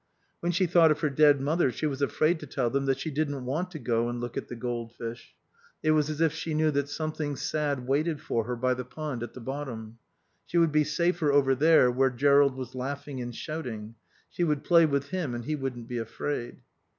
When she thought of her dead mother she was afraid to tell them that she didn't want to go and look at the goldfish. It was as if she knew that something sad waited for her by the pond at the bottom. She would be safer over there where Jerrold was laughing and shouting. She would play with him and he wouldn't be afraid.